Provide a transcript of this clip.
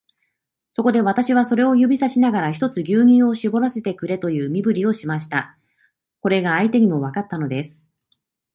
そこで、私はそれを指さしながら、ひとつ牛乳をしぼらせてくれという身振りをしました。これが相手にもわかったのです。